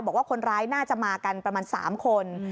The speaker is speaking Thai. บอกว่าคนร้ายน่าจะมากันประมาณ๓คน